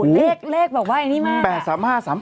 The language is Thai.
และเลขบอกว่าอันนี้มา